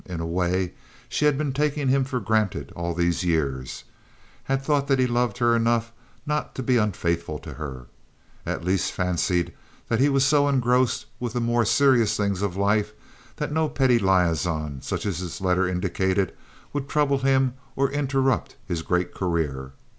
In a way she had been taking him for granted all these years, had thought that he loved her enough not to be unfaithful to her; at least fancied that he was so engrossed with the more serious things of life that no petty liaison such as this letter indicated would trouble him or interrupt his great career.